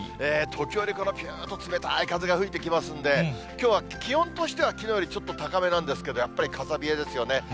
時折、このぴゅーっと冷たい風が吹いてきますんで、きょうは気温としては、きのうよりちょっと高めなんですけど、やっぱり風冷えですよね。